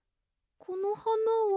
このはなは。